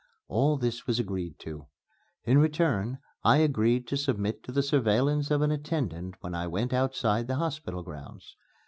All this was agreed to. In return I agreed to submit to the surveillance of an attendant when I went outside the hospital grounds.